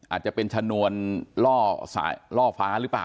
อาจจะเป็นชะนวนล่อฟ้าหรือเปล่า